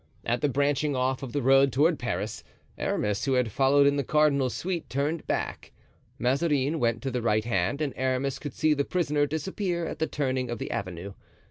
At the branching off of the road toward Paris, Aramis, who had followed in the cardinal's suite, turned back. Mazarin went to the right hand and Aramis could see the prisoner disappear at the turning of the avenue.